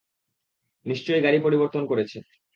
নিশ্চয়ই গাড়ী পরিবর্তন করেছে।